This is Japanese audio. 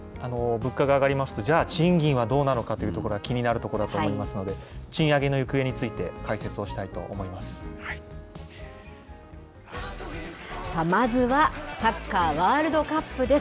物価が上がりますと、じゃあ、賃金はどうなのかというところが気になるところだと思いますので、賃上げの行方について、解説をしさあ、まずはサッカーワールドカップです。